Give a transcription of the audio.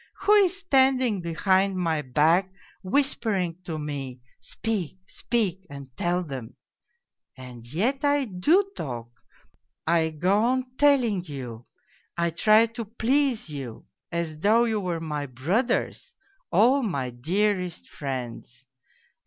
Who is standing behind my back whispering to me, ' Speak, speak and tell them '? And yet I do talk, I go on telling you, I try to please you as though you were my brothers, all my dearest friends.